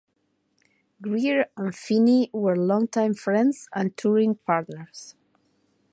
Greer and Feeney were longtime friends and touring partners.